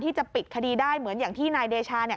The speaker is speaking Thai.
ที่จะปิดคดีได้เหมือนอย่างที่นายเดชาเนี่ย